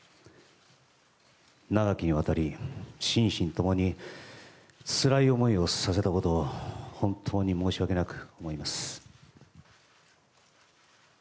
長きにわたり、心身共につらい思いをさせたことを本当に申し訳なく思います。